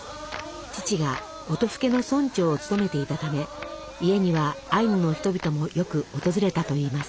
父が音更の村長を務めていたため家にはアイヌの人々もよく訪れたといいます。